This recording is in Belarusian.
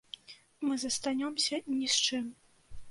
Мы застанёмся ні з чым.